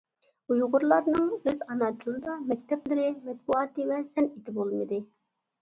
ئۇيغۇرلارنىڭ ئۆز ئانا تىلىدا مەكتەپلىرى، مەتبۇئاتى ۋە سەنئىتى بولمىدى.